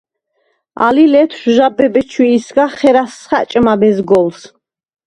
ალი ლეთშვ ჟაბე ბეჩვიისგა ხერას ხა̈ჭმა მეზგოლს.